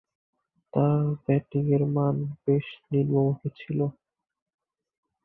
তার ব্যাটিংয়ের মান বেশ নিম্নমূখী ছিল।